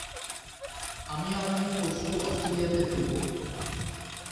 আমি আগামি পরশু অস্ট্রেলিয়াতে ফিরব।